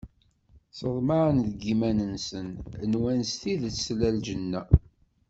Seḍmaɛen deg iman-nsen, nwan s tidet tella lǧenna.